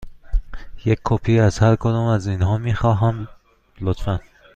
یک کپی از هر کدام از اینها می خواهم، لطفاً.